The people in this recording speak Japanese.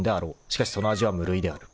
しかしその味は無類である］